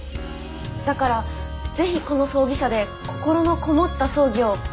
だからぜひこの葬儀社で心のこもった葬儀をやりたいんです。